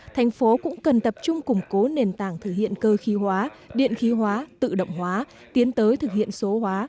thành phố cũng cần tập trung củng cố nền tảng thực hiện cơ khí hóa điện khí hóa tự động hóa tiến tới thực hiện số hóa